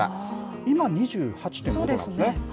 今、２８．５度なんですね。